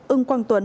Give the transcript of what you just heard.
ưng quang tuấn